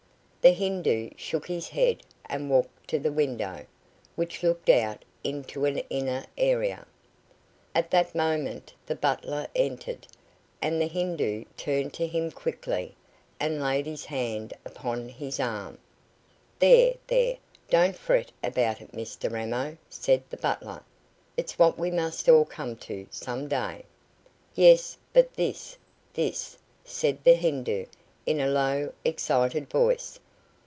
The Hindoo shook his head and walked to the window, which looked out into an inner area. At that moment the butler entered, and the Hindoo turned to him quickly, and laid his hand upon his arm. "There, there, don't fret about it, Mr Ramo," said the butler. "It's what we must all come to some day." "Yes, but this, this," said the Hindoo, in a low, excited voice.